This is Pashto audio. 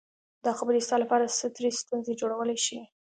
دا خبرې ستا لپاره سترې ستونزې جوړولی شي